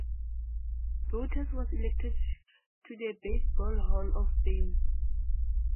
Brouthers was elected to the Baseball Hall of Fame.